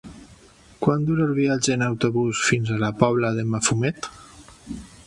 Quant dura el viatge en autobús fins a la Pobla de Mafumet?